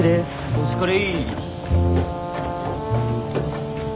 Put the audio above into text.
お疲れ。